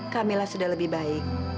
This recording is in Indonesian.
kamila sudah lebih baik